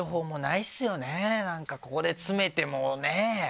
なんかここで詰めてもね。